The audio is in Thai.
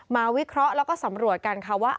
วิเคราะห์แล้วก็สำรวจกันค่ะว่า